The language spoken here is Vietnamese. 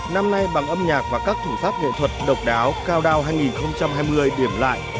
năm nay bằng âm nhạc và các thủ pháp nghệ thuật độc đáo cao đao hai nghìn hai mươi điểm lại